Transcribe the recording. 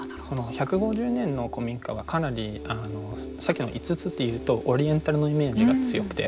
１５０年の古民家はかなりさっきの５つで言うとオリエンタルのイメージが強くて。